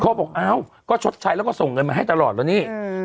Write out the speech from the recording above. เขาบอกอ้าวก็ชดใช้แล้วก็ส่งเงินมาให้ตลอดแล้วนี่